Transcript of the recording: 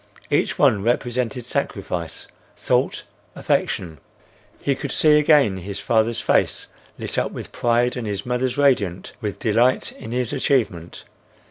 Each one represented sacrifice, thought, affection. He could see again his father's face lit up with pride and his mother's radiant with delight in his achievement.